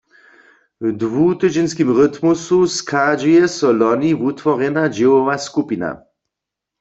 W dwutydźenskim rytmusu schadźuje so loni wutworjena dźěłowa skupina.